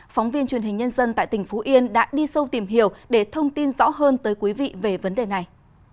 phóng viên truyền hình nhân dân tại tỉnh phú yên đã đi sâu tìm hiểu để thông tin rõ hơn tới quý vị về vấn đề này